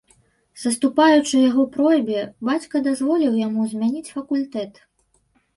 Саступаючы яго просьбе, бацька дазволіў яму змяніць факультэт.